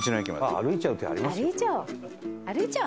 歩いちゃおう。